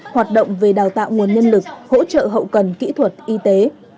hoạt động về đào tạo nguồn nhân lực hỗ trợ hậu cần kỹ thuật y tế